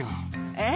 えっ？